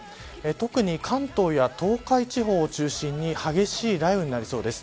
特に、関東や東海地方を中心に激しい雷雨になりそうです。